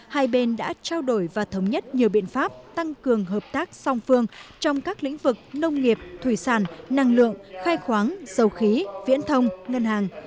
hai bên đã trao đổi và thống nhất nhiều biện pháp tăng cường hợp tác song phương trong các lĩnh vực nông nghiệp thủy sản năng lượng khai khoáng dầu khí viễn thông ngân hàng